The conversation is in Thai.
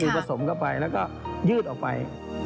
คือผสมเข้าไปแล้วก็ยืดออกไป